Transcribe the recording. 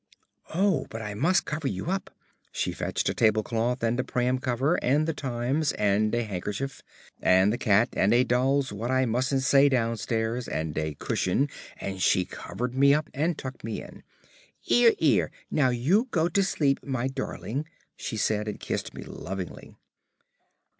"Oh, but I must cover you up." She fetched a table cloth, and a pram cover, and The Times, and a handkerchief, and the cat, and a doll's what I mustn't say downstairs, and a cushion; and she covered me up and tucked me in. "'Ere, 'ere, now go to sleep, my darling," she said, and kissed me lovingly.